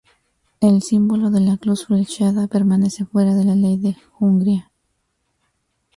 El símbolo de la cruz flechada permanece fuera de la ley en Hungría.